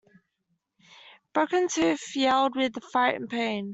Broken-Tooth yelled with fright and pain.